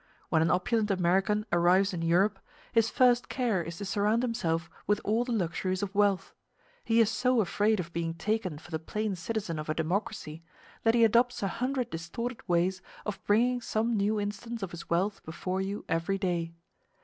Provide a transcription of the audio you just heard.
When an opulent American arrives in Europe, his first care is to surround himself with all the luxuries of wealth: he is so afraid of being taken for the plain citizen of a democracy, that he adopts a hundred distorted ways of bringing some new instance of his wealth before you every day.